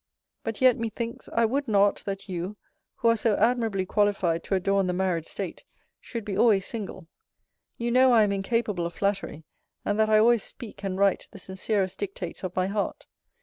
But yet, methinks, I would not, that you, who are so admirably qualified to adorn the married state, should be always single. You know I am incapable of flattery; and that I always speak and write the sincerest dictates of my heart.